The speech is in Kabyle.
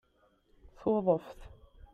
Tuḍeft